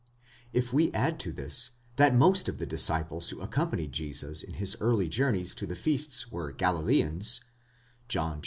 If we add to this, that most of the disciples who accompanied Jesus in his early journeys to the feasts were Galileans (John iv.